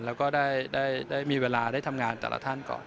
แล้วก็ได้มีเวลาได้ทำงานแต่ละท่านก่อน